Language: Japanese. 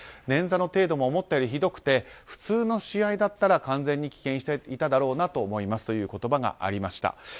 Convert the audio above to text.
捻挫の程度も思ったよりひどくて普通の試合だったら完全に棄権していただろうなと思いますという言葉がありました。